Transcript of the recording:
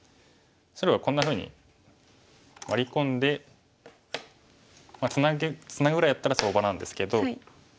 白がこんなふうにワリ込んでツナぐぐらいだったら相場なんですけど。